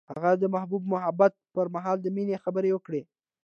هغه د محبوب محبت پر مهال د مینې خبرې وکړې.